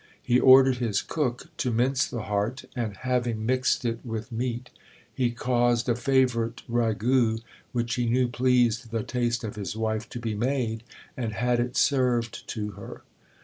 He ordered his cook to mince the heart; and having mixed it with meat, he caused a favourite ragout, which he knew pleased the taste of his wife, to be made, and had it served to her.